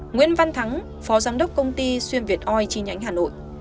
nguyễn văn thắng phó giám đốc công ty xuyên việt oi chi nhánh hà nội